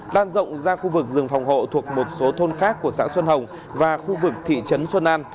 lan rộng ra khu vực rừng phòng hộ thuộc một số thôn khác của xã xuân hồng và khu vực thị trấn xuân an